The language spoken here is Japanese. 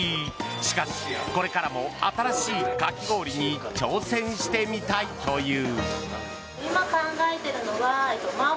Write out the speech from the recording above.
しかし、これからも新しいかき氷に挑戦してみたいという。